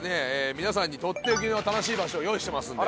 皆さんにとっておきの楽しい場所を用意してますんで。